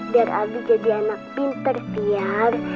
biar abi jadi anak pinter biar